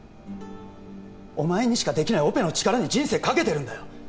お前にしかできないオペの力に人生かけてるんだよ！